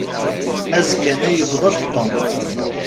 Azekka-nni, yewweḍ-d Tom.